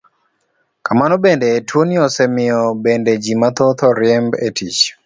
Kamano bende, tuoni osemiyo bende ji mathoth oriemb e tich.